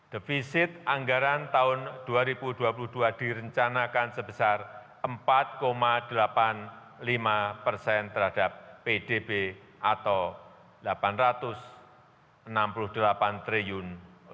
defisit anggaran tahun dua ribu dua puluh dua direncanakan sebesar empat delapan puluh lima persen terhadap pdb atau rp delapan ratus enam puluh delapan triliun